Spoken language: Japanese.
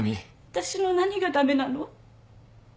私の何が駄目なの？